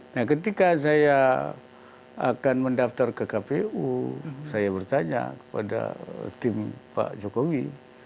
nah ketika saya akan mendaftar ke kpu saya bertanya kepada tim pak jokowi